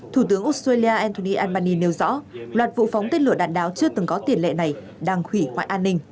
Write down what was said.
thủ tướng australia anthony albaney nêu rõ loạt vụ phóng tên lửa đạn đạo chưa từng có tiền lệ này đang khủy hoại an ninh